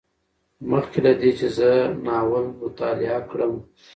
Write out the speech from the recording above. مخکې له دې چې زه ناول مطالعه کړم